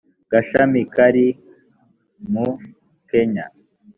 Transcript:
gashami kari mu kenya